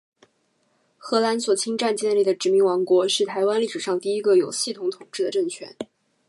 荷兰所侵占建立的殖民王国，是台湾历史上第一个有系统统治的政权。